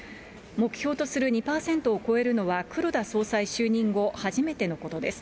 目標とする２％を超えるのは、黒田総裁就任後、初めてのことです。